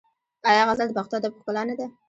آیا غزل د پښتو ادب ښکلا نه ده؟